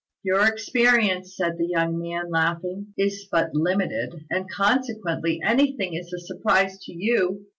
"Your experience," said the young man, laughing, "is but limited, and, consequently, anything is a surprise to you.